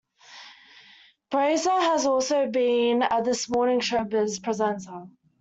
Brazier has also been a "This Morning" showbiz presenter.